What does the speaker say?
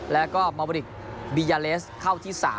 แล้วก็มาบริกบียาเลสเข้าที่๓